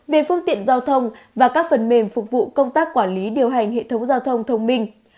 về phương tiện giao thông và các phần mềm phục vụ công tác quản lý điều hành hệ thống giao thông thông minh